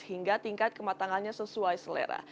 hingga tingkat kematangannya sesuai selera